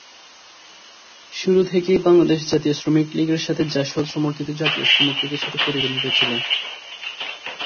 শুরু থেকেই বাংলাদেশ জাতীয় শ্রমিক লীগের সাথে জাসদ সমর্থিত জাতীয় শ্রমিক লীগের সাথে প্রতিদ্বন্দ্বিতা ছিল।